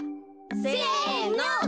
せの！